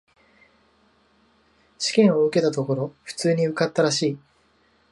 試験を受けたところ、普通に受かったらしい。